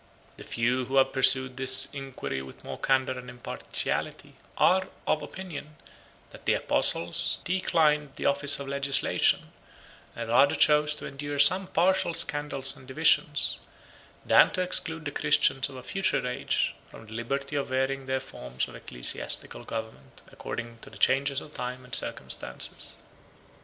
The few who have pursued this inquiry with more candor and impartiality, are of opinion, 105 that the apostles declined the office of legislation, and rather chose to endure some partial scandals and divisions, than to exclude the Christians of a future age from the liberty of varying their forms of ecclesiastical government according to the changes of times and circumstances.